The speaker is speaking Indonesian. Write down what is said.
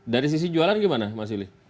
dari sisi jualan gimana mas ili